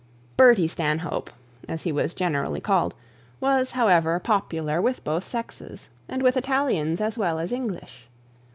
Bertie Stanhope, as he was generally called, was, however, popular with both sexes; and with Italians as well as English.